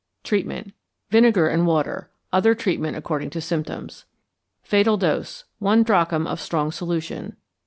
Treatment. Vinegar and water. Other treatment according to symptoms. Fatal Dose. One drachm of strong solution.